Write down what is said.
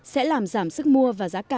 sẽ làm giảm sức mua và giảm sức mua